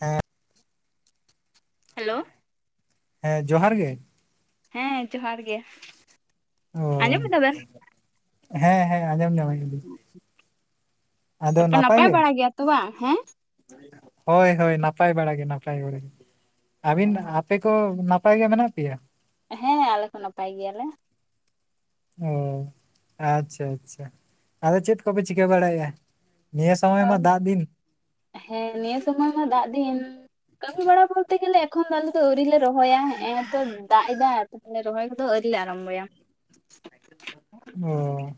ᱦᱮᱸ ᱦᱮᱞᱳ ᱦᱮᱸ ᱡᱚᱦᱟᱨ ᱜᱮ ᱦᱮᱸ ᱡᱚᱦᱟᱨ ᱜᱮ ᱚ ᱟᱸᱡᱚᱢ ᱮᱫᱟᱵᱮᱱ ᱦᱮᱸ ᱦᱮᱸ ᱟᱸᱡᱚᱢ ᱧᱟᱢᱼᱮ ᱤᱧ ᱛᱟᱯᱚᱨ ᱱᱟᱯᱟᱭ ᱵᱟᱲᱟ ᱜᱮᱭᱟ ᱛᱚ ᱵᱟᱝ ᱦᱮᱸ ᱦᱳᱭ ᱦᱳᱭ ᱱᱟᱯᱟᱭ ᱵᱟᱲᱟ ᱜᱮ ᱱᱟᱯᱟᱭ ᱵᱟᱲ ᱟᱹᱵᱤᱱ ᱟᱯᱮ ᱠᱚ ᱱᱟᱯᱼᱼ ᱱᱟᱯᱟᱭ ᱜᱮ ᱢᱮᱱᱟᱜ ᱯᱮᱭᱟ? ᱦᱮᱸ ᱟᱞᱮ ᱠᱚ ᱱᱟᱯᱟᱭ ᱜᱮᱭᱟᱞᱮ ᱚ ᱟᱪᱪᱷᱟ ᱟᱪᱪᱷᱟ ᱟᱫᱚ ᱪᱮᱫ ᱠᱚᱯᱮ ᱪᱤᱠᱟᱹ ᱵᱟᱲᱟᱭᱮᱜ-ᱟ? ᱱᱤᱭᱟᱹ ᱥᱚᱢᱚᱭ ᱢᱟ ᱫᱟᱜ ᱫᱤᱱ ᱦᱮᱸ ᱱᱤᱭᱟᱹ ᱥᱩᱢᱚᱭ ᱢᱟ ᱫᱟᱜ ᱫᱤᱱ ᱠᱟᱹᱢᱤ ᱵᱟᱲᱟ ᱵᱚᱞᱛᱮ ᱜᱮᱞᱮ ᱮᱠᱷᱚᱱ ᱫᱚ ᱟᱞᱮ ᱫᱚ ᱟᱹᱣᱨᱤ ᱞᱮ ᱨᱚᱦᱚᱭᱟ ᱦᱮᱜᱮᱸᱛᱚ ᱫᱟᱜ ᱮᱫᱟ ᱾ ᱛᱟᱦᱞᱮ ᱨᱚᱦᱚᱭ ᱠᱚᱫᱚ ᱟᱣᱨᱤ ᱞᱮ ᱟᱨᱟᱢᱵᱚᱭᱟ [unintelligible] ᱚ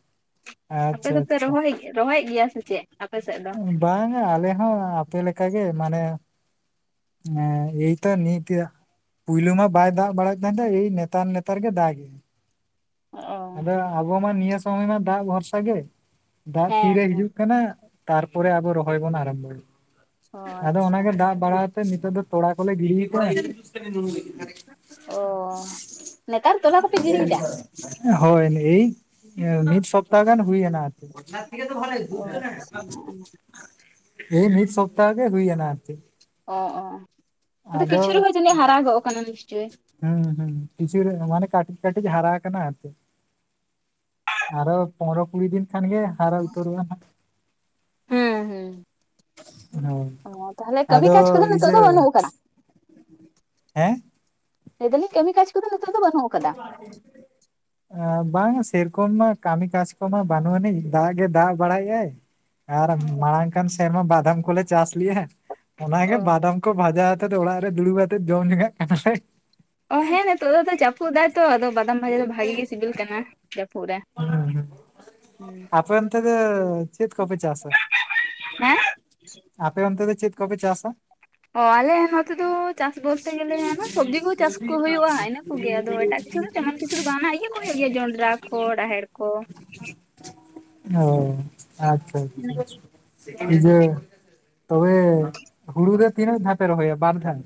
ᱟᱯᱮ ᱟᱪᱪᱷᱟ ᱫᱚᱯᱮ ᱟᱪᱪᱷᱟ ᱨᱚᱦᱚᱭ ᱜᱮ ᱨᱚᱦᱚᱭᱮᱫ ᱜᱮᱭᱟ ᱥᱮ ᱪᱮᱫ ᱟᱯᱮ ᱥᱮᱫ ᱫᱚ? ᱵᱟᱝᱟ ᱟᱞᱮ ᱦᱚᱸ ᱟᱯᱮ ᱞᱮᱠᱟᱜᱮ ᱢᱟᱱᱮ ᱦᱮᱸ ᱤᱭᱛᱚ ᱱᱤᱛᱭᱟ ᱯᱩᱭᱞᱩ ᱢᱟ ᱵᱟᱭ ᱫᱟᱜ ᱵᱟᱲᱟᱭᱮᱫ ᱛᱟᱦᱮᱫ-ᱟ ᱮᱭ ᱱᱮᱛᱟᱨ ᱱᱮᱛᱟᱨ ᱜᱮᱭ ᱫᱟᱜ [unintelligible] ᱚ ᱟᱫᱚ ᱦᱮᱸ ᱟᱵᱚ ᱢᱟ ᱱᱤᱭᱟᱹ ᱥᱚᱢᱚᱭ ᱢᱟ ᱫᱟᱜ ᱵᱷᱚᱨᱥᱟ ᱜᱮ ᱫᱟᱜ ᱦᱮᱸ ᱛᱤᱨᱮ ᱦᱤᱡᱩᱜ ᱠᱟᱱᱟ ᱾ ᱛᱟᱨᱯᱚᱨᱮ ᱟᱵᱚ ᱨᱚᱦᱚᱭ ᱵᱚᱱ ᱟᱨᱟᱢᱵᱚᱭᱟ ᱚ ᱟᱫᱚ ᱟᱪᱪᱷᱟ ᱚᱱᱟᱜᱮ ᱫᱟᱜ ᱵᱟᱲᱟ ᱱᱤᱛᱚᱜ ᱫᱚ ᱛᱚᱲᱟ ᱠᱚᱞᱮ ᱜᱤᱰᱤ ᱠᱟᱜ-ᱟ ᱚ ᱱᱮᱛᱟᱨ ᱛᱚᱞᱟ ᱠᱚᱯᱮ ᱜᱤᱲᱤᱭᱮᱫᱟ ᱾ ᱦᱚᱭ ᱦᱤᱞᱤ ᱢᱤᱫ ᱥᱚᱯᱛᱟ ᱜᱟᱱ ᱦᱩᱭᱮᱱᱟ ᱟᱨᱠᱤ ᱚ ᱟᱪᱪᱷᱟ ᱤ ᱢᱤᱫ ᱥᱚᱯᱛᱟ ᱜᱮ ᱦᱩᱭ ᱮᱱᱟ ᱟᱨᱠᱤ [unintelligible] ᱚ ᱚ ᱚ ᱟᱫᱚ ᱠᱤᱪᱷᱩ ᱨᱮᱦᱚ ᱡᱟᱹᱱᱤᱡ ᱦᱟᱨᱟ ᱜᱚᱜ ᱠᱟᱱᱟ ᱱᱤᱥᱪᱚᱭ ᱦᱤᱜ ᱾ ᱤ ᱦᱤᱜ [unintelligible] ᱤ ᱠᱤᱪᱷᱩ ᱢᱟᱱᱮ ᱠᱟᱹᱴᱤᱡ ᱠᱟᱹᱴᱤᱡ ᱦᱟᱨᱟ ᱟᱠᱟᱱᱟ ᱟᱨᱠᱤ ᱟᱨᱚ ᱯᱚᱱᱨᱚ ᱠᱩᱲᱤ ᱫᱤᱱ ᱠᱷᱟᱱᱜᱮ ᱦᱟᱨᱟ ᱩᱛᱟᱹᱨᱚᱜ-ᱟ ᱦᱟᱸᱜ ᱦᱳᱭ ᱚᱸ ᱛᱟᱦᱚᱞᱮ ᱠᱟᱹᱢᱤ ᱟᱫᱚ ᱠᱟᱡ ᱠᱚᱫᱚ ᱤᱭᱟᱹ ᱵᱟᱱᱩᱜ ᱠᱟᱫᱟ ᱦᱮᱸ ᱞᱟᱹᱭᱫᱟᱞᱤᱧ ᱠᱮᱢᱤᱠᱟᱡᱽ ᱠᱚᱫᱚ ᱱᱤᱛᱚᱜ ᱫᱚ ᱵᱟᱹᱱᱩᱜ ᱠᱟᱫᱟᱹ [inaudible] ᱵᱟᱝᱟ ᱥᱮᱨᱚᱠᱚᱢ ᱢᱟ ᱠᱟᱹᱢᱤ ᱠᱟᱡᱽ ᱠᱚᱢᱟ ᱵᱟᱹᱱᱩᱜ ᱟᱹᱱᱤᱡ ᱫᱟᱜ ᱜᱮ ᱫᱟᱜ ᱵᱟᱲᱟᱭᱮᱜᱟᱭ ᱾ ᱟᱨ ᱢᱟᱲᱟᱝ ᱠᱟᱱ ᱥᱮᱨᱢᱟ ᱵᱟᱫᱟᱢ ᱠᱚᱞᱮ ᱪᱟᱥ ᱞᱮᱜ-ᱟ ᱚᱱᱟᱜᱮ ᱚ ᱵᱟᱫᱟᱢ ᱠᱚ ᱵᱷᱟᱡᱟ ᱦᱟᱛᱮ ᱚᱲᱟᱜ ᱨᱮ ᱫᱩᱲᱩᱵ ᱟᱛᱮᱫ ᱡᱚᱢ ᱞᱮᱜᱟᱜ ᱠᱟᱱᱟ ᱞᱮ ᱚ ᱦᱮᱸ ᱱᱮᱛᱚᱜ ᱫᱚᱛᱚ ᱡᱟᱹᱯᱩᱫ ᱫᱟᱭᱛᱚ ᱟᱫᱚ ᱵᱟᱫᱟᱢ ᱵᱷᱟᱡᱟ ᱫᱚ ᱵᱷᱟᱜᱤ ᱜᱮ ᱥᱤᱵᱤᱞ ᱠᱟᱱᱟ ᱡᱟᱹᱯᱩᱫ ᱨᱮ ᱦᱩᱸ ᱦᱩᱸ [unintelligible] ᱟᱯᱮ ᱚᱱᱛᱮ ᱫᱚ ᱪᱮᱫ ᱠᱚᱯᱮ ᱪᱟᱥᱥᱟᱹ? ᱦᱮᱸ ᱟᱯᱮ ᱚᱱᱛᱮ ᱫᱚ ᱪᱮᱫ ᱠᱚᱯᱮ ᱪᱟᱥᱥᱟᱹ? ᱚ ᱟᱞᱮ ᱱᱚᱛᱮ ᱫᱚ ᱪᱟᱥ ᱵᱚᱞᱛᱮ ᱜᱮᱞᱮ ᱦᱮᱱᱟ ᱥᱚᱵᱽᱡᱤ ᱠᱚ ᱪᱟᱥ ᱠᱚ ᱦᱳᱭᱳᱜ-ᱟ ᱤᱱᱟᱹ ᱜᱮ ᱫᱚ ᱮᱴᱟᱜ ᱫᱤᱥᱚᱢ ᱡᱟᱸᱦᱟᱱ ᱠᱤᱪᱷᱩ ᱫᱚ ᱵᱟᱝ -ᱟ ᱤᱭᱟᱹ ᱠᱚ ᱦᱩᱭᱩᱜ ᱜᱮᱭᱟ ᱡᱚᱞᱰᱨᱟᱴ ᱠᱚ ᱨᱟᱦᱮᱲ ᱠᱚ ᱚ ᱟᱪᱪᱷᱟ ᱟᱪᱪᱷᱟ ᱥᱤᱠᱤᱱᱤᱡᱟᱹ ᱛᱚᱵᱮ ᱦᱩᱲᱩ ᱫᱚ ᱛᱤᱱᱟᱹᱜ ᱫᱷᱟᱣ ᱯᱮ ᱨᱚᱦᱚᱭᱟ ᱵᱟᱨ ᱫᱷᱟᱣ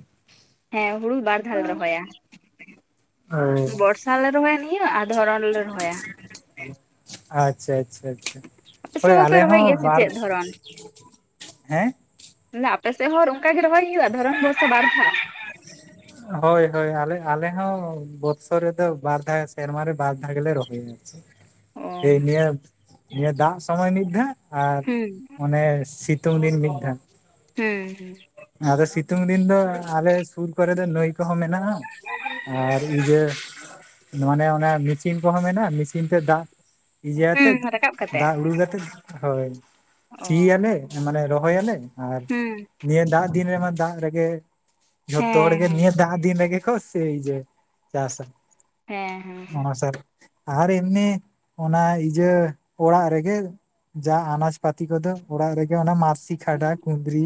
ᱦᱮᱸ ᱦᱩᱲᱩ ᱵᱟᱨ ᱫᱷᱟᱣ ᱞᱮ ᱨᱚᱦᱚᱭᱟᱹ ᱚ ᱵᱚᱨᱥ ᱟᱞᱮ ᱨᱚᱦᱚᱭᱟ ᱱᱤᱭᱟᱹ ᱟᱨ ᱫᱷᱚᱨᱚᱱ ᱨᱮᱞᱮ ᱨᱚᱦᱚᱭᱟ [inaudible] ᱟᱪᱷᱟ ᱟᱪᱷᱟ ᱟᱪᱷᱟ ᱟᱯᱮ ᱾ ᱥᱮᱫ ᱦᱚᱭ ᱦᱚᱸᱯᱮ ᱟᱞᱮ ᱨᱚᱦᱚᱭ ᱦᱚᱸ ᱜᱮᱭᱟ ᱥᱮ ᱵᱟᱨ ᱪᱮᱫ ᱫᱷᱚᱨᱚᱱ ᱦᱮᱸ ᱟᱯᱮ ᱥᱮᱫ ᱦᱚᱸ ᱚᱱᱠᱟ ᱜᱮ ᱨᱚᱦᱚᱭ ᱦᱩᱭᱩᱜᱼᱟ ᱫᱷᱚᱨᱚᱱ ᱵᱚᱨᱥᱟ ᱵᱟᱨ ᱫᱷᱟᱣ [inaudible] ᱦᱚᱭ ᱦᱚᱭ ᱟᱞᱮ ᱟᱞᱮ ᱦᱚᱸ ᱵᱚᱨᱥᱚ ᱨᱮᱫᱚ ᱵᱟᱨ ᱫᱷᱟᱣ ᱥᱮᱨᱢᱟ ᱨᱮ ᱵᱟᱨ ᱫᱷᱟᱣ ᱜᱮᱞᱮ ᱨᱚᱦᱚᱭᱟ ᱚ ᱦᱮᱭ ᱱᱤᱭᱟᱹ ᱱᱤᱭᱟᱹ ᱫᱟᱜ ᱥᱚᱢᱚᱭ ᱢᱤᱫ ᱫᱷᱟᱣ ᱟᱨ ᱦᱩᱸ ᱚᱱᱮ ᱥᱤᱛᱩᱝ ᱫᱤᱱ ᱢᱤᱫ ᱫᱷᱟ ᱦᱤᱸ ᱟᱫᱚ ᱥᱤᱛᱩᱝ ᱫᱤᱱ ᱫᱚ ᱟᱞᱮ ᱥᱩᱨ ᱠᱚᱨᱮ ᱫᱚ ᱱᱟᱹᱭ ᱠᱚᱦᱚᱸ ᱢᱮᱱᱟᱜ ᱟᱨ ᱤᱭᱟᱹ ᱢᱟᱱᱮ ᱚᱱᱟ ᱢᱮᱥᱤᱱ ᱠᱚᱦᱚᱸ ᱢᱮᱱᱟᱜ-ᱟ ᱢᱤᱥᱤᱱ ᱛᱮ ᱫᱟᱜ ᱤᱭᱤᱭᱟᱛᱮᱫ ᱦᱩᱸ ᱦᱩᱸ ᱨᱟᱠᱟᱵ ᱠᱟᱛᱮᱜ ᱫᱟᱜ ᱩᱲᱩ ᱜᱟᱛᱮᱫ ᱦᱚᱭ ᱚ ᱥᱤᱭᱟᱞᱮ ᱢᱟᱱᱮ ᱨᱚᱦᱚᱭᱟᱞᱮ ᱟᱨ ᱦᱮᱸ ᱱᱤᱭᱟᱹ ᱫᱟᱜ ᱫᱤᱱ ᱨᱮᱢᱟ ᱫᱟᱜ ᱨᱮᱜᱮ ᱡᱷᱚᱛᱚ ᱦᱮᱸ ᱦᱚᱲᱜᱮ ᱦᱮᱸ ᱱᱤᱭᱟᱹ ᱫᱟᱜ ᱫᱤᱱ ᱨᱮᱜᱮ ᱛᱷᱚ ᱥᱟᱹᱭᱡᱮ ᱪᱟᱥᱟ ᱦᱮᱸ ᱦᱮᱸ ᱚᱱᱟ ᱥᱟᱨ ᱟᱨ ᱮᱢᱱᱤ ᱚᱱᱟ ᱤᱡᱟᱹ ᱚᱲᱟᱜ ᱨᱮᱜᱮ ᱡᱟ ᱟᱱᱟᱡ ᱯᱟᱹᱛᱤ ᱠᱚᱫᱚ ᱚᱲᱟᱜ ᱨᱮᱜᱮ ᱚᱱᱟ ᱢᱟᱨᱥᱤ ᱠᱷᱟᱰᱟ ᱠᱩᱸᱫᱽᱨᱤ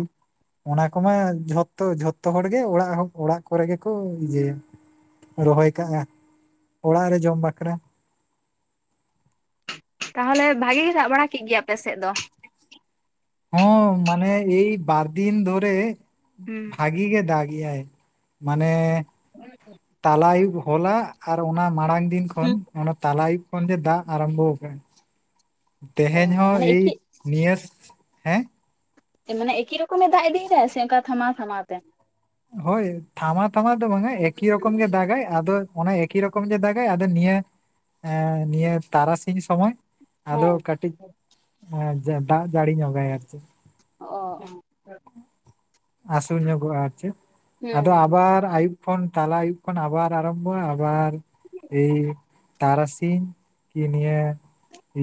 ᱚᱱᱟ ᱠᱚᱢᱟ ᱡᱷᱚᱛᱚ ᱡᱷᱚᱛᱚ ᱦᱚᱲ ᱜᱮ ᱚᱲᱟᱜ ᱚᱲᱟᱜ ᱠᱚᱨᱮ ᱜᱮᱠᱚ ᱤᱡᱟᱹᱭᱟ ᱨᱚᱦᱚᱭ ᱠᱟᱜᱼᱟ ᱚᱲᱟᱜ ᱨᱮ ᱡᱚᱢ ᱵᱟᱠᱷᱨᱟ ᱛᱟᱦᱚᱞᱮ ᱵᱷᱟᱹᱜᱤ ᱜᱮ ᱫᱟᱜ ᱵᱟᱲᱟ ᱠᱮᱜ ᱜᱮᱭᱟ ᱟᱯᱮ ᱥᱮᱫ ᱫᱚ ᱦᱚᱸ ᱢᱟᱱᱮ ᱮᱭ ᱵᱟᱨ ᱫᱤᱱ ᱫᱷᱚᱨᱮ ᱦᱩᱸ ᱵᱷᱟᱜᱤ ᱜᱮ ᱫᱟᱜ ᱤᱭᱟᱭ ᱢᱟᱱᱮ [inaudible] ᱛᱟᱞᱟ ᱟᱹᱭᱩᱵ ᱦᱚᱞᱟ ᱟᱨ ᱚᱱᱟ ᱢᱟᱲᱟᱝ ᱫᱤᱱ ᱠᱷᱚᱱ ᱦᱩᱸ ᱚᱱᱟ ᱛᱞᱟ ᱟᱹᱭᱩᱵ ᱠᱷᱚᱱ ᱜᱮ ᱫᱟᱜ ᱟᱨᱟᱢᱵᱷᱚ ᱠᱟᱱᱟ ᱚ ᱛᱮᱦᱮᱧ ᱦᱚᱸ ᱢᱟᱱᱮ ᱮᱭ ᱮᱠᱤ ᱱᱤᱭᱟᱹᱥ ᱦᱮᱸ ᱢᱟᱱᱮ ᱮᱠᱤ ᱨᱚᱠᱚᱢᱮ ᱫᱟᱜ ᱤᱫᱤᱭ ᱫᱟᱭ ᱥᱮ ᱚᱱᱠᱟ ᱛᱷᱟᱢᱟᱣ ᱛᱷᱟᱢᱟᱟᱣ ᱛᱮ ᱦᱳᱭ ᱛᱷᱟᱢᱟᱣ ᱛᱷᱟᱢᱟᱣ ᱫᱚ ᱵᱟᱝᱟ ᱮᱠᱤ ᱨᱚᱠᱚᱢ ᱜᱮ ᱫᱟᱜᱟᱭ ᱟᱫᱚ ᱚᱱᱟ ᱮᱠᱤ ᱨᱚᱠᱚᱢ ᱜᱮ ᱫᱟᱜᱟᱭ ᱟᱫᱚ ᱱᱤᱭᱟᱹ ᱦᱮᱸ ᱱᱤᱭᱟᱹ ᱛᱟᱨᱟᱥᱤᱧ ᱥᱚᱢᱚᱭ ᱟᱫᱚ ᱦᱮᱸ ᱠᱟᱹᱴᱤᱡ ᱫᱟᱜ ᱡᱟᱹᱲᱤ ᱧᱚᱜᱟᱭ ᱟᱨ ᱪᱮᱫ ᱚᱻ ᱚᱻ ᱟᱹᱥᱩᱲ ᱧᱚᱜᱚᱜᱼᱟ ᱟᱨ ᱪᱮ ᱟᱫᱚ ᱦᱩᱸ ᱟᱵᱟᱨ ᱟᱹᱭᱩᱵ ᱠᱷᱚᱱ ᱛᱟᱞᱟ ᱟᱭᱩᱵ ᱠᱷᱚᱱ ᱟᱵᱟᱨ ᱟᱨᱟᱢᱵᱷᱚ ᱟ ᱟᱵᱟᱨ ᱮᱹᱭ ᱛᱟᱨᱟᱥᱤᱧ ᱠᱤ ᱱᱤᱭᱟᱹ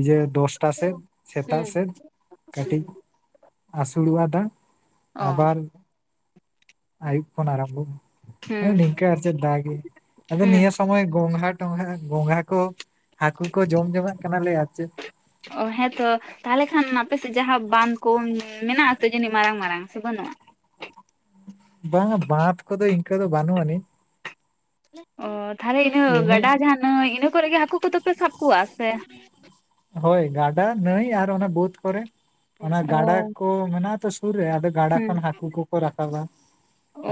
ᱡᱮ ᱫᱚᱥ ᱴᱟ ᱥᱮᱫ ᱥᱮᱛᱟᱜ ᱦᱩᱸ ᱥᱮᱫ ᱠᱟᱹᱴᱤᱡ ᱦᱩᱸ ᱟᱹᱥᱩᱲᱚᱜᱼᱟ ᱫᱟᱜ ᱚ ᱟᱵᱟᱨ ᱟᱹᱭᱩᱵ ᱠᱷᱚᱱ ᱟᱨᱚᱵᱚᱜᱼᱟ ᱦᱮᱸ ᱦᱩᱸ ᱱᱤᱝᱠᱟᱹ ᱟᱨ ᱪᱮᱫ ᱫᱟᱜᱮ ᱟᱫᱚ ᱦᱩᱸ ᱱᱤᱭᱟᱹ ᱥᱚᱢᱚᱭ ᱜᱚᱸᱜᱷᱟ ᱴᱚᱝᱜᱷᱟ ᱜᱚᱹᱜᱷᱟ ᱠᱚ ᱦᱟᱹᱠᱩ ᱠᱚ ᱡᱚᱢ ᱡᱚᱝᱟᱜ ᱠᱟᱱᱟᱞᱮ ᱟᱨ ᱪᱮᱫ ᱚᱻ ᱦᱮᱸ ᱛᱚ ᱛᱟᱦᱞᱮ ᱠᱷᱟᱱ ᱟᱯᱮ ᱥᱮᱫ ᱡᱟᱦᱟᱸ ᱵᱟᱸᱫ ᱠᱚ ᱢᱮᱱᱟᱜ ᱟᱛᱮ ᱡᱟᱹᱱᱤᱡ ᱢᱟᱨᱟᱝ ᱢᱟᱨᱟᱝ ᱥᱮ ᱵᱟᱹᱱᱩᱜᱼᱟ ᱵᱟᱝᱟ ᱵᱟᱸᱫ ᱠᱚᱫᱚ ᱤᱱᱠᱟᱹ ᱫᱚ ᱵᱟᱹᱱᱩᱜ ᱟᱹᱱᱤᱡ ᱚ ᱛᱟᱦᱞᱮ ᱤᱱᱟᱹ ᱮᱢᱱᱤ ᱜᱟᱰᱟ ᱡᱟᱦᱟᱱᱟᱜ ᱤᱱᱟᱹ ᱠᱚᱨᱮ ᱜᱮ ᱦᱟᱹᱠᱩ ᱠᱚᱫᱚ ᱯᱮ ᱥᱟᱵ ᱠᱚᱣᱟ ᱥᱮ ᱦᱳᱭ ᱜᱟᱰᱟ ᱱᱟᱹᱭ ᱟᱨ ᱚᱱᱟ ᱵᱟᱹᱫ ᱠᱚᱨᱮ ᱚᱱᱟ ᱚ ᱜᱟᱰᱟ ᱠᱚ ᱢᱮᱱᱟᱜ-ᱟ ᱛᱚ ᱥᱩᱨ ᱨᱮ ᱟᱫᱚ ᱜᱟᱰᱟ ᱦᱩᱸ ᱠᱷᱚᱱ ᱦᱟᱹᱠᱩ ᱠᱚᱠᱚ ᱨᱟᱠᱟᱵ-ᱟ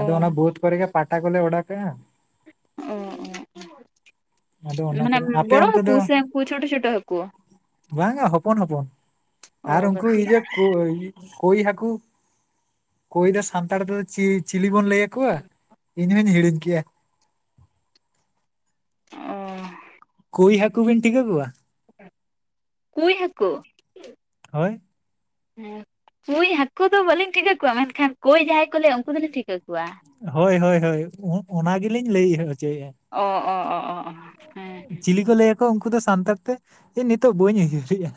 ᱟᱫᱚ ᱚᱱᱟ ᱵᱟᱹᱫ ᱠᱚᱨᱮ ᱜᱮ ᱯᱟᱴᱟ ᱠᱚᱞᱮ ᱚᱰᱟ ᱠᱟᱜᱼᱟ ᱚ ᱟᱫᱚ ᱚ ᱚ ᱚᱱᱟ ᱢᱟᱱᱮ ᱠᱚᱨᱮ ᱟᱯᱮ ᱵᱚᱲᱚ ᱚᱱᱛᱮ ᱦᱟᱹᱠᱩ ᱫᱚ ᱥᱮ ᱩᱱᱠᱩ ᱪᱷᱳᱴᱚ ᱪᱷᱳᱴᱚ ᱦᱟᱹᱠᱩ ᱵᱟᱝᱟ ᱦᱚᱯᱚᱱ ᱦᱚᱯᱚᱱ ᱚ ᱟᱨ ᱩᱝᱠᱩ ᱠᱟᱹᱴᱤᱡ ᱤᱭᱟᱹ ᱠᱚ ᱠᱳᱭ ᱦᱟᱹᱠᱩ ᱠᱳᱭ ᱫᱚ ᱥᱟᱱᱛᱟᱲ ᱛᱮᱫᱚ ᱪᱤ ᱪᱤᱞᱤ ᱵᱚᱱ ᱞᱟᱹᱭᱟ ᱠᱚᱣᱟ ᱤᱧ ᱦᱚᱧ ᱦᱤᱲᱤᱧ ᱠᱮᱜᱼᱟ ᱚᱻ ᱠᱳᱭ ᱦᱟᱹᱠᱩ ᱵᱤᱱ ᱴᱷᱤᱠᱟᱹ ᱠᱚᱣᱟ ᱠᱳᱭ ᱦᱟᱹᱠᱩ, ᱦᱳᱭ ᱦᱮᱸ ᱠᱳᱭ ᱦᱟᱹᱠᱩ ᱫᱚ ᱵᱟᱹᱞᱤᱧ ᱴᱷᱤᱠᱟᱹ ᱠᱚᱣᱟ ᱢᱮᱱ ᱠᱷᱟᱱ ᱠᱳᱭ ᱡᱟᱦᱟᱸᱭ ᱠᱚ ᱞᱟᱹᱭᱟ ᱩᱱᱠᱩ ᱫᱚᱞᱤᱧ ᱴᱷᱤᱠᱟᱹ ᱠᱚᱣᱟ ᱦᱳᱭ ᱦᱳᱭ ᱦᱳᱭ ᱚᱸ ᱚᱱᱟ ᱜᱮᱞᱤᱧ ᱞᱟᱹᱭ ᱦᱚᱪᱚᱭᱮᱜᱼᱟ ᱚᱻ ᱚᱻ ᱪᱤᱞᱤ ᱠᱚ ᱞᱟᱹᱭᱟ ᱠᱚᱣᱟ ᱩᱱᱠᱩ ᱫᱚ ᱥᱟᱱᱛᱟᱲ ᱛᱮ ᱱᱤᱛᱚᱜ ᱵᱟᱹᱧ ᱩᱭᱦᱟᱹᱨᱮᱜᱼᱟ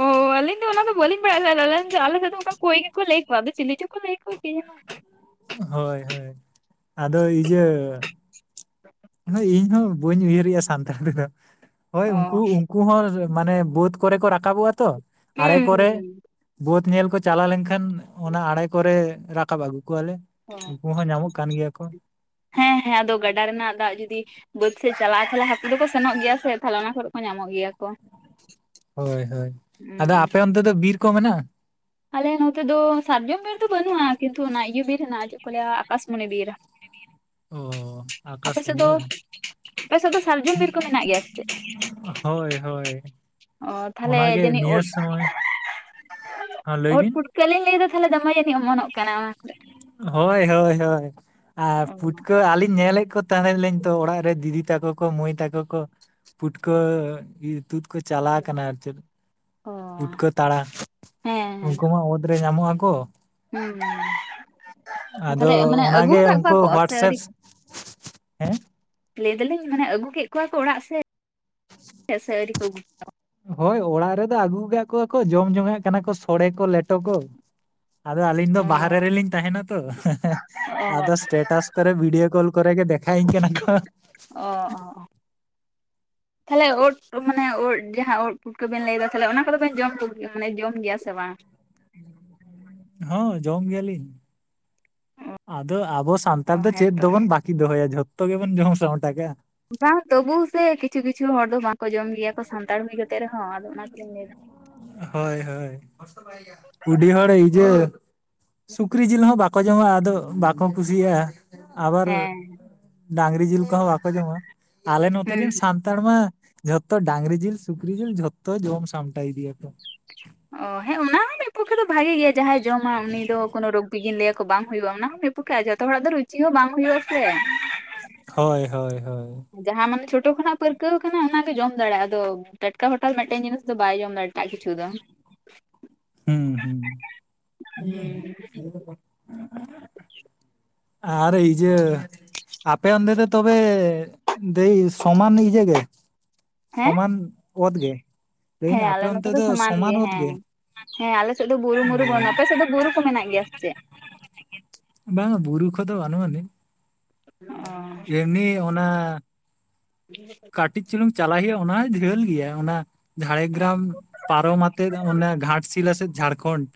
ᱚ ᱟᱹᱞᱤᱧ ᱫᱚ ᱚᱱᱟ ᱫᱚ ᱵᱟᱹᱞᱤᱧ ᱵᱟᱲᱟᱭ ᱟᱞᱤᱧ ᱫᱚ ᱚᱱᱟ ᱫᱚ ᱵᱟᱹᱞᱤᱧ [unintelligible] ᱚᱱᱠᱟ ᱠᱳᱭ ᱜᱮᱠᱚ ᱞᱟᱹᱭ ᱠᱚᱣᱟ ᱟᱫᱚ ᱪᱮᱞᱮ ᱪᱚᱠᱚ ᱞᱟᱹᱭ ᱠᱚᱣᱟ ᱠᱤ ᱡᱟᱱᱤ ᱦᱳᱭ ᱦᱳᱭ ᱟᱫᱚ ᱤᱡᱟᱹ ᱦᱳᱭ ᱤᱧ ᱦᱚᱸ ᱵᱟᱹᱧ ᱩᱭᱦᱟᱹᱨᱮᱜᱼᱟ ᱥᱟᱱᱛᱟᱲ ᱛᱮᱫᱚ ᱦᱳᱭ ᱚ ᱩᱱᱠᱩ ᱩᱱ ᱩᱱᱠᱩ ᱦᱚᱸ ᱢᱟᱱᱮ ᱵᱟᱹᱫ ᱠᱚᱨᱮ ᱠᱚ ᱨᱟᱠᱟᱵᱚᱜᱼᱟ ᱛᱚ ᱟᱨᱮ ᱦᱩᱸ ᱠᱚᱨᱮ ᱦᱩᱸ ᱵᱟᱹᱫ ᱧᱮᱞ ᱠᱚ ᱪᱟᱞᱟᱣ ᱞᱮᱱ ᱠᱷᱟᱱ ᱚᱱᱟ ᱟᱲᱮ ᱠᱚᱨᱮ ᱨᱟᱠᱟᱵ ᱟᱹᱜᱩ ᱠᱚᱣᱟ ᱞᱮ ᱚ ᱩᱱᱠᱩ ᱦᱚᱸ ᱧᱟᱢᱚᱜ ᱠᱟᱱ ᱜᱮᱭᱟ ᱠᱚ ᱦᱮᱸ ᱦᱮᱸ ᱟᱫᱚ ᱜᱟᱰᱟ ᱨᱮᱱᱟᱜ ᱫᱟᱜ ᱡᱩᱫᱤ ᱵᱟᱹᱫᱽ ᱥᱮᱡ ᱪᱟᱞᱟᱜᱼᱟ ᱛᱟᱦᱚᱞᱮ ᱦᱟᱹᱠᱩ ᱫᱚᱠᱚ ᱥᱮᱱᱚᱜ ᱜᱮᱭᱟ ᱥᱮ ᱛᱟᱦᱞᱮ ᱚᱱᱟ ᱠᱚᱨᱮ ᱠᱚ ᱧᱟᱢᱚᱜ ᱜᱮᱭᱟ ᱠᱚ ᱦᱳᱭ ᱦᱳᱭ ᱟᱫᱚ ᱦᱩᱸ ᱟᱯᱮ ᱚᱱᱛᱮ ᱫᱚ ᱵᱤᱨ ᱠᱚ ᱢᱮᱱᱟᱜᱼᱟ ᱟᱞᱮ ᱱᱚᱛᱮ ᱫᱚ ᱥᱟᱨᱡᱚᱢ ᱵᱤᱨ ᱫᱚ ᱵᱟᱹᱱᱩᱜᱼᱟ ᱠᱤᱱᱛᱩ ᱚᱱᱟ ᱤᱭᱟᱹ ᱵᱤᱨ ᱦᱮᱱᱟᱜ ᱪᱮᱫ ᱠᱚ ᱞᱟᱹᱮᱭᱟ ᱟᱠᱟᱥᱢᱚᱱᱤ ᱵᱤᱨ ᱚ ᱟᱯᱮ ᱥᱮᱫ ᱟᱠᱟᱥᱢᱚᱱᱤ ᱫᱚ ᱵᱟ ᱟᱯᱮ ᱥᱮᱫ ᱫᱚ ᱥᱟᱨᱡᱚᱢ ᱵᱤᱨ ᱠᱚ ᱢᱮᱱᱟᱜ ᱜᱮᱭᱟ ᱥᱮ ᱪᱮᱫ ᱦᱳᱭ ᱦᱳᱭ ᱚ ᱚᱱᱟᱜᱮ ᱱᱤᱭᱟᱹ ᱥᱚᱢᱚᱭ ᱦᱮᱸ ᱞᱟᱹᱭ ᱩᱫ ᱵᱤᱱ ᱯᱷᱩᱴᱠᱟᱹ ᱞᱤᱧ ᱞᱟᱹᱭᱫᱟ ᱛᱟᱞᱦᱮ ᱫᱚᱢᱮ ᱡᱟᱹᱱᱤᱡ ᱢᱚᱱᱚᱜ ᱠᱟᱱᱟ ᱚᱱᱟ ᱠᱚᱨᱮᱫ ᱦᱳᱭ ᱦᱳᱭ ᱦᱳᱭ ᱟᱨ ᱯᱩᱴᱠᱟᱹ ᱟᱹᱞᱤᱧ ᱧᱮᱞᱮᱫ ᱠᱚ ᱛᱟᱸᱦᱮᱱᱟᱧ ᱛᱚ ᱚᱲᱟᱜ ᱨᱮ ᱫᱤᱫᱤ ᱛᱟᱠᱚ ᱠᱚ ᱢᱟᱹᱭ ᱛᱟᱠᱚ ᱠᱚ ᱯᱩᱴᱠᱟᱹ ᱛᱩᱫ ᱠᱚ ᱪᱟᱞᱟᱣ ᱠᱟᱱᱟ ᱟᱨ ᱪᱮᱫ ᱚ ᱯᱷᱩᱴᱠᱟᱹ ᱛᱟᱲᱟ ᱦᱮᱸ ᱩᱝᱠᱩ ᱢᱟ ᱚᱛ ᱨᱮ ᱧᱟᱢᱚᱜ-ᱟ ᱠᱚ ᱦᱮᱸ [inaudible] ᱟᱫᱚ ᱛᱟᱦᱞᱮ ᱢᱟᱱᱮ ᱟᱹᱜᱩ ᱚᱱᱟᱜᱮ ᱠᱟᱫ ᱠᱚᱣᱟ ᱩᱱᱠᱩ ᱠᱚ ᱥᱮ ᱦᱳᱣᱟᱴᱥᱮᱯ ᱟᱹᱣᱨᱤ ᱦᱮᱸ ᱞᱟᱹᱭ ᱫᱟᱞᱤᱧ ᱢᱟᱱᱮ ᱟᱹᱜᱩ ᱠᱮᱫ ᱠᱚᱣᱟ ᱠᱚ ᱚᱲᱟᱜ ᱥᱮ ᱥᱮ ᱟᱹᱨᱤ ᱠᱚ ᱟᱹᱜᱩᱣᱟ ᱦᱳᱭ ᱚᱲᱟᱜ ᱨᱮᱫᱚ ᱟᱹᱜᱩ ᱠᱟᱜ ᱠᱚᱣᱟ ᱠᱚ ᱡᱚᱢ ᱡᱚᱝᱱᱟᱜ ᱠᱟᱱᱟ ᱠᱚ ᱥᱚᱲᱮ ᱠᱚ ᱞᱮᱴᱚ ᱠᱚ ᱟᱫᱚ ᱟᱹᱞᱤᱧ ᱫᱚ ᱚ ᱵᱟᱦᱨᱮ ᱚ ᱨᱮᱞᱤᱧ ᱛᱟᱦᱮᱱᱟ ᱛᱚ ᱟᱫᱚᱥ ᱥᱴᱮᱴᱟᱥ ᱠᱚᱨᱮ ᱵᱷᱤᱰᱤᱭᱳ ᱠᱚᱞ ᱠᱚᱨᱮ ᱜᱮ ᱫᱮᱠᱷᱟᱭ ᱤᱧ ᱠᱟᱱᱟ ᱠᱚ ᱚᱦ [inaudible] ᱛᱟᱦᱚᱞᱮ ᱸᱫ ᱢᱟᱱᱮ ᱫ ᱡᱟᱦᱟᱸ ᱩᱫ ᱯᱩᱴ ᱠᱚᱵᱮᱱ ᱞᱟᱹᱭ ᱮᱫᱟ ᱛᱟᱦᱮ ᱚᱱᱟ ᱠᱚᱫᱚ ᱵᱮᱱ ᱡᱚᱢ ᱠᱚ ᱢᱟᱱᱮ ᱡᱚᱢ ᱜᱮᱭᱟ ᱥᱮ ᱵᱟᱝ ᱦᱚᱸ ᱡᱚᱢ ᱜᱮᱭᱟᱞᱤᱧ ᱟᱫᱚ ᱟᱵᱚ ᱥᱟᱱᱛᱟᱲ ᱚ ᱫᱚ ᱪᱮᱫ ᱦᱮᱸᱛᱚ ᱫᱚᱵᱚᱱ ᱵᱟᱠ ᱠᱤ ᱫᱚᱦᱚᱭᱟ ᱡᱚᱛᱚ ᱜᱮᱵᱚᱱ ᱡᱚᱢ ᱥᱟᱢᱴᱟᱜ ᱵᱟᱝ ᱛᱚᱵᱩ ᱥᱮ ᱠᱤᱪᱷᱩ ᱠᱤᱪᱷᱩ ᱦᱚᱲ ᱫᱚ ᱵᱟᱝᱠᱚ ᱡᱚᱢ ᱜᱮᱭᱟ ᱠᱚ ᱥᱟᱱᱛᱟᱲ ᱦᱩᱭ ᱠᱟᱛᱮᱫ ᱨᱮᱦᱚᱸ ᱟᱫᱚ ᱚᱱᱟ ᱛᱮᱞᱤᱧ ᱞᱟᱹᱭ ᱮᱫᱟ ᱦᱳᱭ ᱦᱳᱭ ᱩᱰᱤ ᱦᱚᱲ ᱤᱡ ᱥᱩᱠᱨᱤ ᱡᱤᱞ ᱦᱚᱸ ᱵᱟᱠᱚ ᱡᱚᱢᱟ ᱟᱫᱚ ᱵᱟᱠᱚ ᱠᱩᱥᱤᱭᱟᱜᱼᱟ ᱟᱵᱟᱨ ᱦᱮᱸ ᱰᱟᱝᱨᱤ ᱡᱤᱞ ᱠᱚᱦᱚᱸ ᱵᱟᱠᱚ ᱡᱚᱢᱟ ᱟᱞᱮ ᱱᱚᱛᱮ ᱦᱩᱸ ᱨᱮᱱ ᱥᱟᱱ ᱛᱟᱲ ᱢᱟ ᱡᱷᱚᱛᱚ ᱰᱟᱝᱨᱤ ᱡᱤᱞ ᱥᱩᱠᱨᱤ ᱡᱤᱞ ᱡᱷᱚᱛᱚ ᱡᱚᱢ ᱥᱟᱢᱴᱟᱭ ᱫᱤᱫᱤᱭᱟ ᱚ ᱦᱮᱸ ᱚᱱᱟ ᱦᱚᱸ ᱢᱤᱫ ᱯᱚᱠᱷᱮ ᱫᱚ ᱵᱷᱟᱜᱮ ᱜᱮᱭᱟ ᱡᱟᱦᱟᱸᱭ ᱡᱚᱢᱟ ᱩᱱᱤ ᱫᱚ ᱠᱳᱱᱳ ᱨᱳᱜᱤᱜᱤᱧ ᱞᱟᱹᱭᱟᱠᱚ ᱵᱟᱝ ᱦᱩᱭᱩᱜᱼᱟ ᱚᱱᱟ ᱦᱚᱸᱯᱩᱠᱷᱼᱟ ᱡᱚᱛᱚ ᱦᱚᱲᱟᱜ ᱫᱚ ᱨᱩᱪᱤ ᱦᱚᱸ ᱵᱟᱝ ᱦᱩᱭᱩᱜᱼᱟ ᱥᱮ ᱦᱳᱭ ᱦᱳᱭ ᱦᱳᱭ ᱡᱟᱦᱟᱸ ᱢᱟᱱᱮ ᱪᱷᱳᱴᱳ ᱠᱷᱚᱱᱟᱜ ᱯᱟᱹᱨᱠᱟᱹᱣ ᱠᱟᱱᱟ ᱚᱱᱟᱜᱮ ᱡᱚᱢ ᱫᱟᱲᱮᱭᱟᱜᱼᱟ ᱟᱫᱚ ᱴᱟᱴᱠᱟ ᱷᱚᱴᱟᱛ ᱢᱤᱫᱴᱮᱱ ᱡᱤᱱᱤᱥ ᱫᱚ ᱵᱟᱭ ᱡᱚᱢ ᱫᱟᱲᱮ ᱮᱴᱟᱜ ᱠᱤᱪᱷᱩ ᱫᱚ ᱦᱩᱸ ᱦᱩᱸ [inaudible] ᱟᱨ ᱤ ᱡ ᱟᱯᱮ ᱚᱱᱫᱮ ᱫᱚ ᱛᱚᱵᱮ ᱫᱟ. ᱭ ᱥᱚᱢᱟᱱ ᱱᱤᱡᱮ ᱜᱮ ᱦᱮᱸ ᱥᱚᱢᱟᱱ ᱚᱛ ᱜᱮ ᱞᱟᱹᱭᱟᱹᱧ ᱦᱮᱸ ᱟᱯᱮ ᱟᱞᱮ ᱱᱚᱛᱮ ᱚᱱᱛᱮ ᱫᱚ ᱥᱚᱢᱟᱱ ᱚᱛ ᱦᱮᱸ ᱜᱮ ᱦᱮᱸ ᱟᱞᱮ ᱥᱮᱫ ᱫᱚ ᱵᱩᱨᱩ ᱵᱩᱨᱩ ᱚ ᱵᱟᱹᱱᱩᱜᱼᱟ ᱟᱯᱮ ᱥᱮᱫ ᱫᱚ ᱵᱩᱨᱩ ᱠᱚ ᱢᱮᱱᱟᱜ ᱜᱮᱭᱟ ᱥᱮ ᱪᱮᱫ ᱵᱟᱝ ᱵᱩᱨᱩ ᱠᱚ ᱛᱚ [unintelligible] ᱟᱱᱤᱡ ᱚ ᱮᱢᱱᱤ ᱚᱱᱟ ᱦᱮᱸ [unintelligible] ᱠᱟᱹᱴᱤᱡ ᱪᱩᱞᱩᱧ ᱪᱟᱞᱟᱜ ᱪᱟᱞᱟᱜ ᱜᱮᱭᱟ ᱚᱱᱟᱭ ᱡᱷᱟᱹᱞ ᱜᱮᱭᱟ ᱚᱱᱟ ᱡᱷᱟᱲᱜᱨᱟᱢ ᱯᱟᱨᱚᱢᱛᱮ ᱢᱟᱱᱮ ᱜᱷᱟᱴᱥᱤᱞ ᱥᱮᱫ ᱡᱷᱟᱲᱠᱷᱚᱱᱰ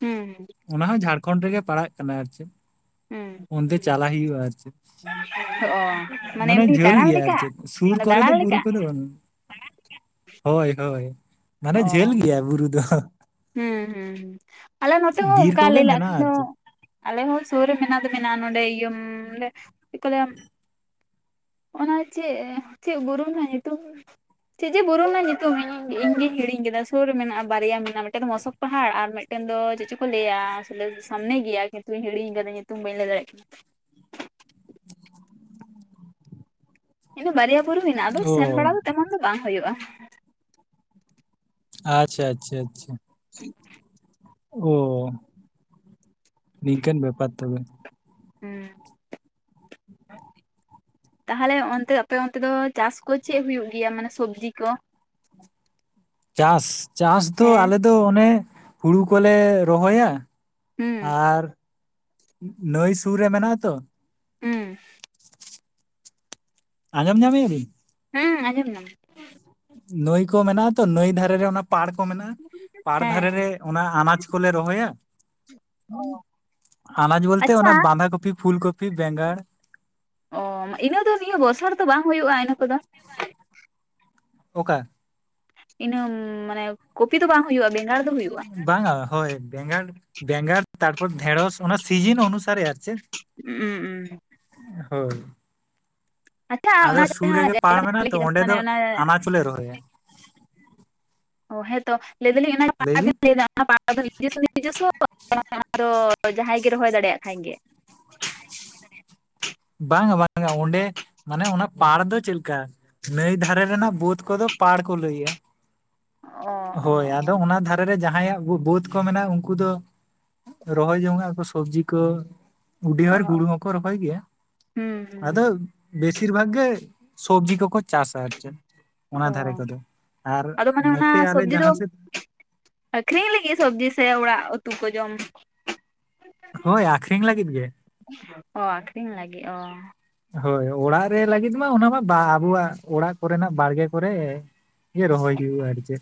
ᱦᱮᱸ ᱚᱱᱟ ᱦᱚᱸ ᱡᱷᱟᱲᱠᱷᱚᱱᱰ ᱨᱮᱜᱮ ᱯᱟᱲᱟᱜ ᱠᱟᱱᱟ ᱟᱨ ᱪᱮᱫ ᱦᱩᱸ ᱚᱱᱛᱮ ᱪᱟᱞᱟᱜ ᱦᱩᱭᱩᱜ-ᱟ ᱟᱨ ᱪᱮᱫ ᱚ ᱢᱟᱱᱮ ᱮᱢᱱᱤ ᱡᱷᱟᱹᱞ ᱫᱟᱬᱟᱱ ᱜᱮᱭᱟ ᱟᱨ ᱞᱮᱠᱟ ᱪᱮᱫ ᱥᱩᱨ ᱢᱟᱱᱮ ᱠᱚᱨᱮ ᱫᱚ ᱫᱟᱬᱟᱱ ᱵᱩᱨᱩ ᱞᱮᱠᱟ ᱠᱚᱫᱚ ᱵᱟᱹᱱᱩᱜ-ᱟ ᱦᱳᱭ ᱦᱳᱭ ᱢᱟᱱᱮ ᱡᱷᱟᱹᱞ ᱜᱮᱭᱟ ᱵᱩᱨᱩ ᱫᱚ ᱦᱮᱸ ᱦᱮᱸ ᱦᱚᱸ ᱟᱞᱮ ᱱᱚᱛᱮ ᱦᱚᱸ ᱵᱤᱨ ᱚᱱᱠᱟ ᱠᱚᱜᱮ ᱞᱟᱹᱭ ᱞᱟᱜ ᱢᱮᱱᱟᱜᱼᱟ ᱟᱨ ᱫᱚ ᱪᱮᱫ ᱟᱞᱮ ᱦᱚᱸ ᱥᱩᱨ ᱨᱮ ᱢᱮᱱᱟᱜ ᱫᱚ ᱢᱮᱱᱟᱜ-ᱟ ᱱᱚᱰᱮ ᱪᱮᱫ ᱠᱚ ᱞᱟ. ᱭᱟ ᱚᱱᱟ ᱪᱮᱫ ᱪᱮᱫ ᱵᱩᱨᱩ ᱨᱮᱱᱟᱜ ᱧᱩᱛᱩᱢ ᱪᱤᱡᱮ ᱵᱩᱨᱩᱢᱟ ᱧᱩᱛᱩᱢ [inaudible] ᱦᱤᱲᱤᱧ ᱠᱮᱫᱟ ᱥᱩᱨ ᱨᱮ ᱢᱮᱱᱟᱜᱼᱟ ᱵᱟᱨᱭᱟ ᱢᱮᱱᱟᱜᱼᱟ ᱢᱤᱫᱴᱮᱱ ᱫᱚ ᱢᱚᱥᱚᱠ ᱯᱟᱦᱟᱲ ᱟᱨ ᱢᱤᱫᱴᱮᱱ ᱫᱚ ᱪᱮᱫ ᱪᱚ ᱠᱚ ᱞᱟᱹᱭᱟ ᱥᱟᱢᱱᱮ ᱜᱮᱭᱟ ᱛᱧ ᱦᱤᱲᱤᱧ ᱫᱟ ᱧᱩᱛᱩᱢ ᱵᱟᱹᱧ ᱤᱱᱟᱹ ᱵᱟᱨᱭᱟ ᱵᱩᱨᱩ ᱢᱮᱱᱟᱜᱼᱟ ᱮᱱᱟᱜ ᱟᱫᱚ ᱚ ᱥᱮᱱ ᱵᱟᱲᱟ ᱫᱚ ᱛᱮᱢᱚᱱ ᱫᱚ ᱵᱟᱝ ᱦᱩᱭᱩᱜᱼᱟ ᱟᱪᱪᱷᱟ ᱟᱪᱪᱷᱟ ᱟᱪᱪᱷᱟ [unintelligible] ᱚ ᱱᱤᱝᱠᱟᱹᱱ ᱵᱮᱯᱟᱨ ᱛᱚᱵᱮ ᱦᱮᱸ ᱛᱟᱦᱚᱞᱮ ᱚᱱᱛᱮ ᱟᱯᱮ ᱚᱱᱛᱮ ᱫᱚ ᱪᱟᱥ ᱠᱚ ᱪᱮᱫ ᱦᱩᱭᱩᱜ ᱜᱮᱭᱟ ᱢᱟᱱᱮ ᱥᱚᱵᱡᱤ ᱠᱚ ᱪᱟᱥ ᱪᱟᱥ ᱫᱚ ᱦᱮᱸ ᱟᱞᱮ ᱫᱚ ᱚᱱᱮ ᱦᱩᱲᱩ ᱠᱚᱞᱮ ᱨᱚᱦᱚᱭᱟ ᱦᱩᱸ ᱟᱨ ᱱᱟᱹᱭ ᱥᱩᱨ ᱨᱮ ᱢᱮᱱᱟᱜ ᱟᱛᱚ ᱦᱩᱸ ᱟᱸᱡᱚᱢ ᱧᱟᱢᱮᱭᱟᱜ-ᱟ ᱵᱤᱱ ᱦᱮᱸ ᱟᱸᱡᱚᱢ ᱮᱱᱟᱢ ᱱᱟᱹᱭ ᱠᱚ ᱢᱮᱱᱟᱜ-ᱟ ᱛᱚ ᱱᱟᱹᱭ ᱫᱷᱟᱨᱮ ᱨᱮ ᱚᱱᱟ ᱯᱟᱲ ᱠᱚ ᱢᱮᱱᱟᱜ-ᱟ ᱯᱟᱲ ᱫᱷᱟᱨᱮ ᱨᱮ ᱦᱮᱸ ᱚᱱᱟ ᱟᱱᱟᱡ ᱠᱚᱞᱮ ᱨᱚᱦᱚᱭᱟ ᱦᱮᱸ ᱟᱱᱟᱡ ᱵᱚᱞᱛᱮ ᱚᱱᱟ ᱟᱪᱪᱷᱟ ᱚᱱᱟ ᱵᱟᱸᱫᱷᱟ ᱠᱚᱯᱤ ᱯᱷᱩᱞᱠᱯᱤ ᱵᱮᱸᱜᱟᱲ ᱚ ᱤᱱᱟᱹ ᱫᱚ ᱱᱤᱭᱟᱹ ᱵᱚᱨᱥᱟ ᱫᱚ ᱵᱟᱝ ᱦᱩᱭᱩᱜ-ᱟ ᱤᱱᱟᱹ ᱠᱚᱫᱚ ᱚᱠᱟ ᱤᱱᱟᱹ ᱢᱟᱱᱮ ᱠᱚᱯᱤ ᱫᱚ ᱵᱟᱝ ᱦᱩᱭᱩᱜ-ᱟ ᱵᱮᱸᱜᱟᱲ ᱫᱚ ᱦᱩᱭᱩᱜ-ᱟ ᱵᱟᱝ-ᱟ ᱦᱳᱭ ᱵᱮᱸᱜᱟᱲ ᱵᱮᱸᱜᱟᱲ ᱛᱟᱨᱯᱚᱨ ᱰᱷᱮᱲᱚᱥ ᱚᱱᱟ ᱥᱤᱡᱤᱱ ᱚᱱᱩᱥᱟᱨᱮ ᱟᱨ ᱪᱮᱫ ᱩᱸᱻᱻ ᱦᱳᱭ ᱟᱪᱪᱷᱟ ᱟᱫᱚ ᱚᱱᱟ ᱥᱩᱨ ᱡᱟᱦᱟᱸ ᱨᱮᱜᱮ ᱯᱟᱲ ᱡᱟᱭᱜᱟ ᱵᱮᱱ ᱢᱮᱱᱟᱜ ᱛᱚ ᱚᱸᱰᱮ ᱫᱚ ᱟᱱᱟᱪ ᱞᱮ ᱨᱚᱦᱚᱭᱟ ᱚ ᱦᱮᱸᱛᱚ ᱞᱟᱹᱭ ᱫᱟᱞᱤᱧ ᱚᱱᱟ ᱯᱟᱲᱟᱜᱤᱱ ᱞᱟᱹᱭ ᱫᱟ [unintelligible] ᱡᱟᱦᱟᱸᱭ ᱜᱮ ᱨᱚᱦᱚᱭ ᱫᱟᱲᱮᱭᱟᱜ ᱠᱷᱟᱱ ᱜᱮ ᱵᱟᱝᱟ ᱵᱟᱝᱟ ᱚᱸᱰᱮ ᱢᱟᱱᱮ ᱚᱱᱟ ᱯᱟᱲ ᱫᱚ ᱪᱮᱫ ᱞᱮᱠᱟ ᱱᱟᱹᱭ ᱫᱷᱟᱨᱮ ᱨᱮᱱᱟᱜ ᱵᱟᱹᱫᱽ ᱠᱚᱫᱚ ᱯᱟᱲ ᱠᱚ ᱞᱟᱹᱭᱟ ᱚ ᱚ ᱦᱳᱭ ᱟᱫᱚ ᱚᱱᱟ ᱫᱷᱟᱨᱮ ᱮ ᱨᱮ ᱡᱟᱦᱟᱸᱭᱟᱜ ᱵᱟᱹᱫ ᱠᱚ ᱢᱮᱱᱟᱜ ᱩᱱᱠᱩ ᱫᱚ ᱨᱚᱦᱚᱭ ᱡᱚᱝᱱᱟᱜ ᱠᱚ ᱥᱚᱵᱡᱤ ᱠᱚ ᱚ ᱩᱰᱤᱭᱟ ᱜᱩᱲ ᱚ ᱦᱚᱸᱠᱚ ᱨᱚᱦᱚᱭ ᱜᱮᱭᱟ ᱦᱩᱸ ᱟᱫᱚ ᱦᱩᱸ ᱵᱮᱥᱤᱨ ᱵᱷᱟᱜᱽ ᱜᱮ ᱥᱚᱵᱡᱤ ᱠᱚᱠᱚ ᱪᱟᱥᱟ ᱟᱨ ᱪᱮᱫ ᱚᱱᱟ ᱚ ᱫᱷᱟᱨᱮ ᱠᱚᱫᱚ ᱟᱨ ᱟᱫᱚ ᱢᱟᱱᱮ ᱱᱚᱛᱮ ᱟᱞᱮ ᱡᱟᱦᱟᱸ ᱥᱮᱫ ᱟᱹᱷᱨᱤᱧ ᱞᱟᱹᱜᱤᱫ ᱥᱚᱵᱽᱡᱤ ᱥᱮ ᱚᱲᱟᱜ ᱩᱛᱩ ᱠᱚ ᱡᱚᱢ ᱦᱳᱭ ᱟᱠᱷᱨᱤᱧ ᱞᱟᱹᱜᱤᱫ ᱜᱮ ᱚᱻ ᱟᱹᱠᱷᱨᱤᱧ ᱞᱟᱹᱜᱤᱫ ᱚ ᱦᱳᱭ ᱚᱲᱟᱜ ᱨᱮ ᱞᱟᱹᱜᱤᱫ ᱢᱟ ᱚᱱᱟᱢᱟ ᱟᱵᱚᱣᱟᱜ ᱚᱲᱟᱜ ᱠᱚᱨᱮᱱᱟᱜ ᱵᱟᱲᱜᱮ ᱠᱚᱨᱮ ᱨᱚᱦᱚᱭ ᱜᱮ ᱦᱩᱭᱩᱜ-ᱟ ᱟᱫᱚ ᱪᱮ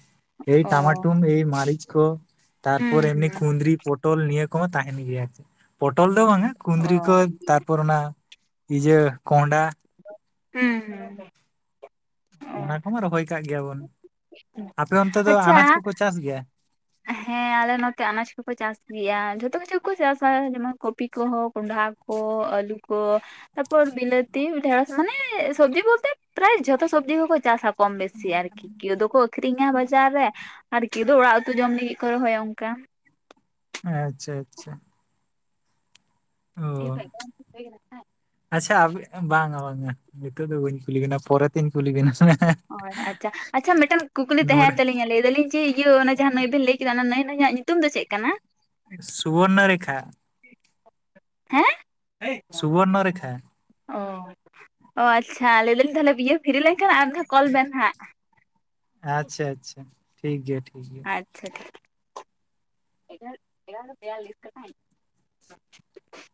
ᱮ ᱚ ᱴᱟᱢᱟᱴᱩ ᱮ ᱢᱟᱨᱤᱡ ᱠᱚ ᱦᱩᱸ ᱛᱟᱨᱯᱚᱨ ᱦᱩᱸ ᱮᱢᱱᱤ ᱠᱩᱫᱽᱨᱤ ᱯᱚᱴᱚᱞ ᱱᱤᱭᱟᱹ ᱠᱚᱢᱟ ᱛᱟᱦᱮᱱ ᱜᱮᱭᱟ ᱟᱨᱠᱤ ᱯᱚᱴᱚᱞ ᱫᱚ ᱵᱟᱝᱟ ᱠᱩᱸᱫᱽᱨᱤ ᱚ ᱠᱚ ᱛᱟᱨᱯᱚᱨ ᱚᱱᱟ ᱤᱡᱟᱹ ᱠᱚᱸᱰᱷᱟ ᱦᱸ ᱚᱱᱟ ᱠᱚᱢᱟ ᱨᱚᱦᱚᱭ ᱠᱟᱜ ᱜᱮᱭᱟᱵᱚᱱ ᱟᱯᱮ ᱚᱱᱛᱮ ᱫᱚ ᱟᱪᱪᱷᱟ ᱟᱱᱟᱡ ᱠᱚᱠᱚ ᱪᱟᱥ ᱜᱮᱭᱟ ᱦᱮᱸ ᱟᱞᱮ ᱱᱚᱛᱮ ᱟᱱᱟᱡᱽ ᱠᱚᱠᱚ ᱪᱟᱥ ᱜᱮᱭᱟ ᱡᱷᱚᱛᱚ ᱠᱤᱪᱷᱩ ᱠᱚ ᱪᱟᱥᱟ ᱡᱮᱢᱚᱱ ᱠᱚᱯᱤ ᱠᱚᱦᱚᱸ ᱠᱚᱸᱰᱷᱟ ᱠᱚ ᱚ ᱟᱹᱞᱩ ᱠᱚ ᱛᱟᱯᱚᱨ ᱵᱤᱞᱟᱹᱛᱤ ᱰᱷᱮᱸᱲᱚᱥ ᱢᱟᱱᱮ ᱥᱚᱵᱽᱡᱤ ᱵᱚᱞᱛᱮ ᱯᱨᱟᱭ ᱡᱷᱚᱛᱚ ᱥᱚᱵᱽᱡᱤ ᱠᱚᱠᱚ ᱪᱟᱥᱟ ᱠᱚᱢ ᱵᱮᱥᱤ ᱟᱨᱠᱤ ᱠᱮᱣ ᱫᱚᱠᱚ ᱟᱹᱷᱨᱤᱧᱟ ᱵᱟᱡᱟᱨ ᱨᱮ ᱟᱨ ᱠᱮᱣ ᱫᱚ ᱚᱲᱟᱜ ᱩᱛᱩ ᱡᱚᱢ ᱞᱟᱹᱜᱤᱫ ᱠᱚ ᱨᱚᱦᱚᱭᱟ ᱚᱝᱠᱟ ᱟᱪᱪᱷᱟ ᱟᱪᱪᱷᱟ ᱚ ᱤᱧ [unintelligible] ᱟᱪᱪᱷᱟ ᱟᱹᱵᱤᱱ [unintelligible] ᱵᱟᱝᱻᱟ ᱵᱟᱝᱻᱟ ᱱᱤᱛᱚᱜ ᱫᱚ ᱵᱟᱹᱧ ᱠᱩᱞᱤ ᱵᱮᱱᱟ ᱯᱚᱨᱮ ᱛᱤᱧ ᱠᱩᱞᱤ ᱵᱮᱱᱟ ᱦᱳᱭ ᱟᱪᱪᱷᱟ ᱟᱪᱪᱷᱟ ᱢᱤᱫᱴᱮᱱ ᱠᱩᱠᱞᱤ ᱱᱚᱰᱮ ᱛᱟᱦᱮᱸᱱ ᱛᱟᱹᱞᱤᱧᱟ ᱞᱟᱹᱭ ᱫᱟᱞᱤᱧ ᱡᱮ ᱤᱭᱟᱹ ᱚᱱᱟ ᱡᱟᱦᱟᱸ ᱱᱟᱹᱭ ᱵᱮᱱ ᱞᱟᱹᱭ ᱠᱮᱫᱟ ᱚᱱᱟ ᱱᱟᱹᱭ ᱱᱟᱹᱭᱟᱜ ᱧᱩᱛᱩᱢ ᱫᱚ ᱪᱮᱫ ᱠᱟᱱᱟ ᱥᱩᱵᱚᱨᱱᱚ ᱨᱮᱠᱷᱟ ᱦᱮᱸ [unintelligible] ᱥᱩᱵᱚᱨᱱᱚ ᱨᱮᱠᱷᱟ ᱚ ᱟᱪᱪᱷᱟ ᱞᱟᱹᱭᱫᱟᱹᱧ ᱛᱟᱦᱚᱞᱮ ᱵᱤᱭᱟᱹ ᱯᱷᱤᱨᱤ ᱞᱮᱱᱠᱷᱟᱱ ᱟᱨ ᱢᱤᱫ ᱫᱷᱟᱣ ᱠᱚᱞ ᱵᱮᱱ ᱦᱟᱜ ᱟᱪᱪᱷᱟ ᱟᱪᱪᱷᱟ ᱴᱷᱤᱠ ᱜᱮᱭᱟ ᱴᱷᱤᱠ ᱜᱮᱭᱟ ᱟᱪᱪᱷᱟ ᱴᱷᱤᱠ [inaudible] [unintelligible]